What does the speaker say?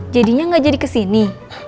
jadinya gak jadi kesini